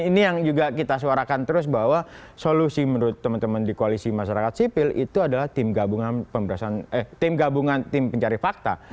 ini yang juga kita suarakan terus bahwa solusi menurut teman teman di koalisi masyarakat sipil itu adalah tim gabungan tim pencari fakta